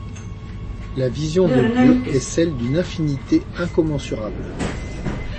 La vision de Dieu est celle d’une infinité incommensurable.